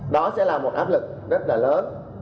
đó sẽ là một áp lực rất là lớn